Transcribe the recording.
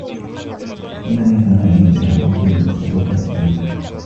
وَدَانِيَةً عَلَيْهِمْ ظِلَالُهَا وَذُلِّلَتْ قُطُوفُهَا تَذْلِيلًا